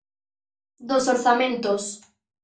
Dos orzamentos.